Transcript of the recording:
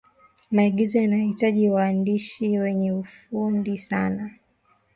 maigizo yanahitaji waandishi wenye ufundi sana